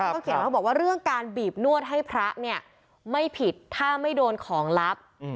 เขาเขียนมาบอกว่าเรื่องการบีบนวดให้พระเนี่ยไม่ผิดถ้าไม่โดนของลับ